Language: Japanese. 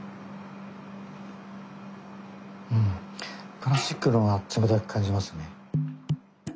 プラスチックの方が冷たく感じますね。